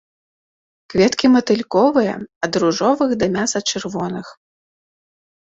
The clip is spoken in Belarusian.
Кветкі матыльковыя, ад ружовых да мяса-чырвоных.